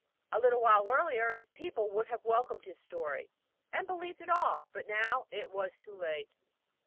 A little while earlier and his people would have welcomed his story, and believed it all, but now it was too late.